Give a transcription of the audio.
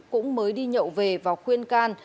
cũng mới đi nhậu về và khuyên can